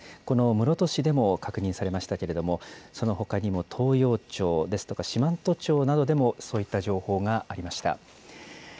この室戸市でも確認されましたけれども、そのほかにも東洋町ですとか四万十町などでもそういった情報がありました。